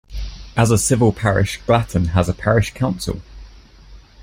As a civil parish, Glatton has a parish council.